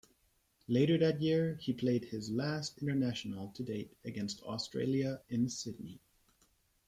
Later that year, he played his last international to date against Australia, in Sydney.